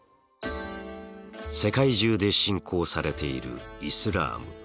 世界中で信仰されているイスラーム。